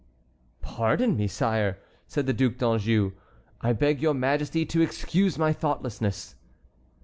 "Pardon me, sire," said the Duc d'Anjou; "I beg your Majesty to excuse my thoughtlessness."